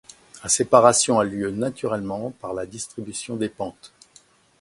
La séparation a lieu naturellement, par la distribution des pentes.